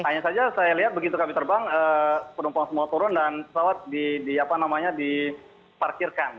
hanya saja saya lihat begitu kami terbang penumpang semua turun dan pesawat diparkirkan